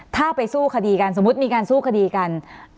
ถ้าไปสู้คดีกันสมมุติมีการสู้คดีกัน